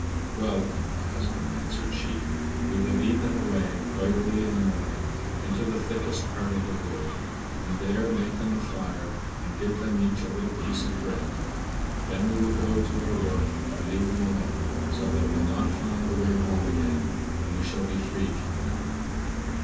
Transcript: "Well, then, my husband," answered she, "we will lead them away, quite early in the morning, into the thickest part of the wood, and there make them a fire, and give them each a little piece of bread. Then we will go to our work and leave them alone, so they will not find the way home again, and we shall be freed from them."